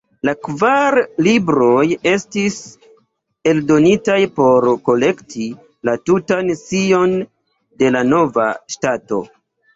La kvar libroj estis eldonitaj por kolekti la tutan scion de la nova ŝtato.